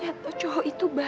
ternyata cowok itu baja